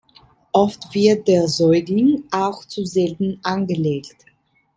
Oft wird der Säugling auch zu selten angelegt.